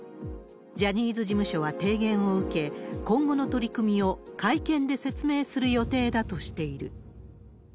ジャニーズ事務所は提言を受け、今後の取り組みを会見で説明する予定だとしている。